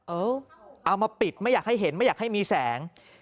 เอามาปิดไม่อยากให้เห็นไม่อยากให้มีแสง